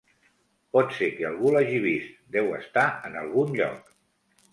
Pot ser que algú l'hagi vist; deu estar en algun lloc.